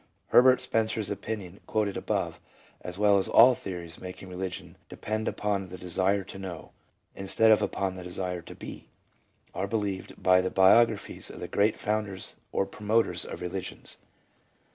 Herbert Spencer's opinion quoted above, as well as al theories making religion depend upon the desire to know, instead of upon the desire to be, are belied by the biographies of the great founders or promoters of religions.